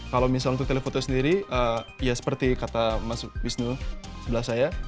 kalau misalnya untuk telefoto sendiri ya seperti kata mas bisnu sebelah saya